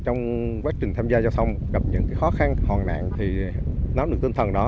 trong quá trình tham gia giao thông gặp những khó khăn hòn nạn thì nắm được tinh thần đó